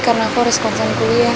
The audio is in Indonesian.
karena aku harus konsen kuliah